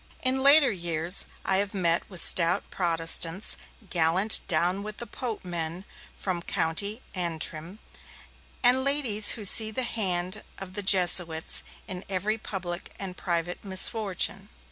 In later years, I have met with stout Protestants, gallant 'Down with the Pope' men from County Antrim, and ladies who see the hand of the Jesuits in every public and private misfortune.